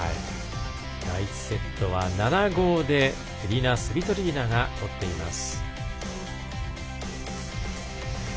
第１セットは７−５でエリナ・スビトリーナが取っています。